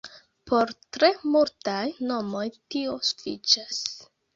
Por tre multaj nomoj tio sufiĉas.